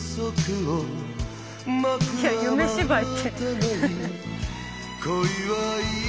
いや「夢芝居」って。